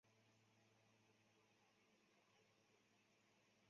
其中三颗最亮的星组成一个三角。